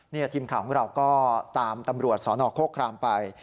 นี่ทีมข่าวของเราก็ตามตำรวจสนโครครามไป